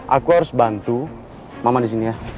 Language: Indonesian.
aku harus bantu mama di sini ya